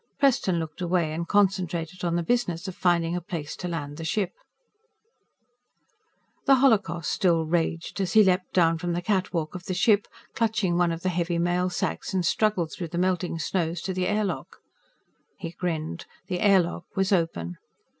Preston looked away and concentrated on the business of finding a place to land the ship. The holocaust still raged as he leaped down from the catwalk of the ship, clutching one of the heavy mail sacks, and struggled through the melting snows to the airlock. He grinned. The airlock was open.